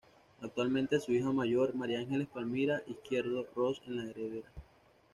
Actualmente su hija mayor María Ángeles Palmira Izquierdo Ros es la heredera.